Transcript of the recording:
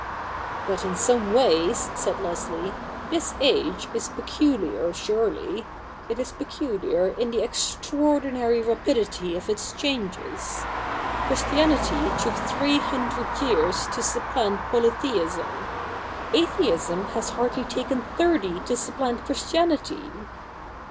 ' But in some ways,' said LesHe, 'this age is peculiar, surely. It is peculiar in the extraordinary rapidity of its changes. Christianity took three hundred years to sup plant polytheism ; atheism has hardly taken thirty to supplant Christianity.'